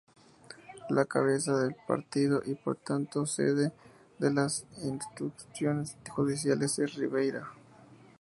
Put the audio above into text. La cabeza de partido y por tanto sede de las instituciones judiciales es Ribeira.